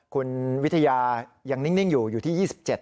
คุณวิทยายังนิ่งอยู่อยู่ที่๒๗